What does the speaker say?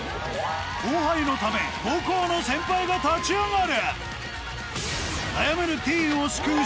後輩のため母校の先輩が立ち上がる！